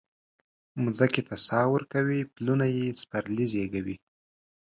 مځکې ته ساه ورکوي پلونه یي سپرلي زیږوي